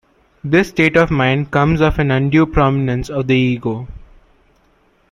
This state of mind comes of an undue prominence of the ego.